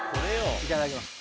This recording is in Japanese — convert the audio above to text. いただきます。